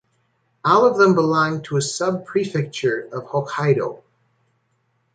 All of them belong to a subprefecture of Hokkaido.